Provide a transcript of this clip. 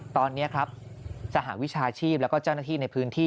ตอนนี้ครับสหวิชาชีพแล้วก็เจ้าหน้าที่ในพื้นที่